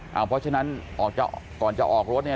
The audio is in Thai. เพราะฉะนั้นก่อนจะออกรถเนี่ย